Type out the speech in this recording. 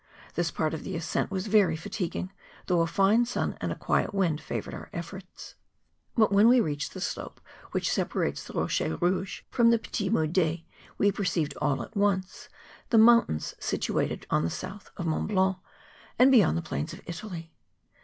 This part of the ascent was very fUiguing, though a fine sun and a quiet wind favoured our efforts; but, when we reached the slope which separates the Eochers Eouges from the Petits ]Mulets, we perceived all at once the moun¬ tains situated on the south of Mont Blanc, and beyond the plains of Italy.